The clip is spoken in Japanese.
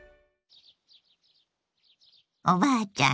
おばあちゃん